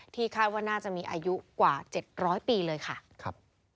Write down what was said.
คาดว่าน่าจะมีอายุกว่า๗๐๐ปีเลยค่ะครับ